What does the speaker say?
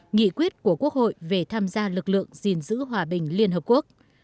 nghị quyết của quốc hội về tham gia lực lượng gìn giữ hòa bình liên hợp quốc